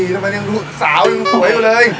๔๔แล้วมันยังรู้สาวยังห่วยกันเลย